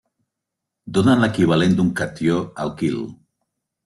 Donen l’equivalent d’un catió alquil.